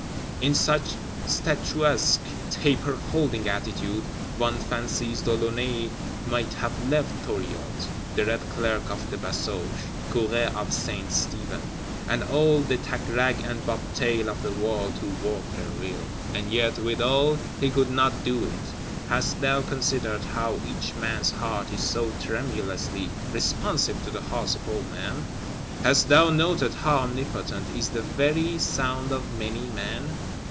In such statuesque, taper holding attitude, one fancies De Launay might have left Thuriot, the red clerks of the Basoche, Curé of Saint Stephen, and all the tagrag and bobtail of the world, to work their will. And, yet, withal, he could not do it. Hast thou considered how each man's heart is so tremulously responsive to the hearts of all men? Hast thou noted how omnipotent is the very sound of many men?